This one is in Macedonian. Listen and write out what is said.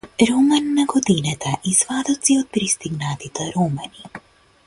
Роман на годината - извадоци од пристигнатите романи